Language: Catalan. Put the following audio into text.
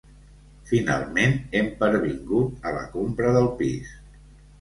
Finalment hem pervingut a la compra del pis!